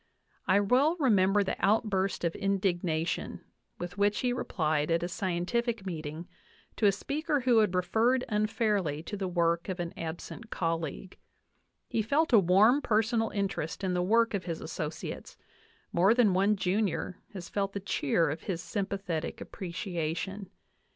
I well remember the outburst of indignation with which he replied at a scientific meeting to a speaker who had referred unfairly to the work of an absent colleague. He felt a warm personal interest in the work of his associates ; more than one junior has felt the cheer of his sympathetic appreciation.